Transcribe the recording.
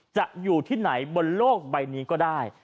อยู่ที่ไหนบนโลกใบนี้ก็ได้